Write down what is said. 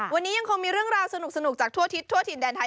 วันนี้ยังคงมีเรื่องราวสนุกจากทั่วทิศทั่วถิ่นแดนไทย